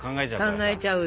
考えちゃう。